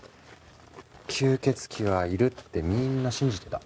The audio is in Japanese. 吸血鬼はいるってみんな信じてた。